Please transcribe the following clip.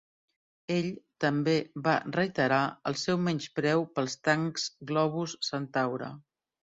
Ell també va reiterar el seu menyspreu pels tancs globus Centaure.